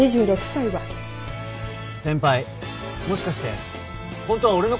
先輩もしかしてホントは俺のこと